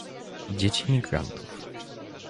Dzieci migrantów